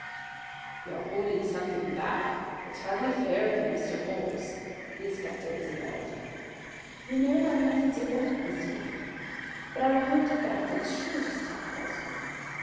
"You are holding something back. It's hardly fair of you, Mr. Holmes." The inspector was annoyed. "You know my methods of work, Mr. Mac. But I will hold it back for the shortest time possible.